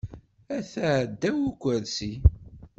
Ata ddaw ukursi.